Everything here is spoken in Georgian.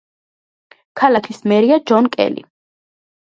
ქალაქის მერია ჯონ კელი.